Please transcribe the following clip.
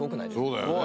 そうだよね。